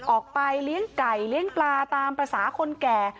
ออกไปเลี้ยงไก่เลี้ยงปลาตามภาษาคนแก่